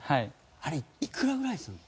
あれいくらぐらいするの？